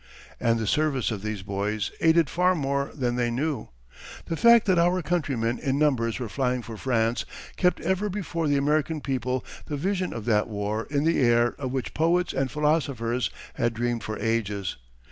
And the service of these boys aided far more than they knew. The fact that our countrymen in numbers were flying for France kept ever before the American people the vision of that war in the air of which poets and philosophers had dreamed for ages.